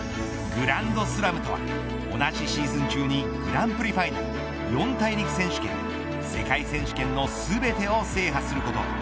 グランドスラムとは同じシーズン中にグランプリファイナル四大陸選手権世界選手権の全てを制覇すること。